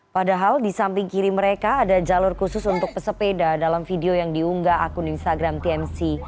padahal di samping kiri mereka ada jalur khusus untuk pesepeda dalam video yang diunggah akun instagram tmc